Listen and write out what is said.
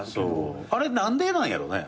あれ何でなんやろね？